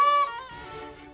jadi itu kan